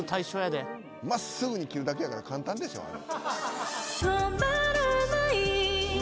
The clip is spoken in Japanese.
真っすぐに切るだけやから簡単でしょあれ。